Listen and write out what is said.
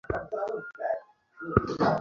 কিন্তু প্রেমের জোর অনেক, লাকি।